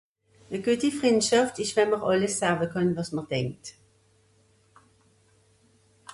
a gueti frìndschàft esch wenn mr àlles sawe vòn wàs mr denkt